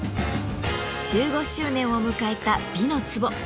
１５周年を迎えた「美の壺」。